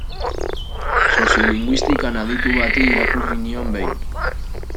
Soziolinguistikan aditu bati irakurri nion behin.